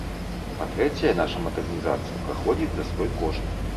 Па-трэцяе, наша мадэрнізацыя праходзіць за свой кошт.